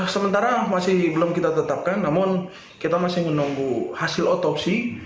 sementara masih belum kita tetapkan namun kita masih menunggu hasil otopsi